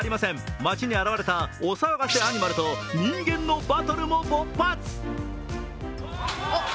街に現れたお騒がせアニマルと人間のバトルも勃発。